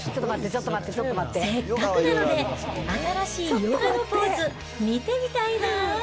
せっかくなので、新しいヨガのポーズ、見てみたいなぁ。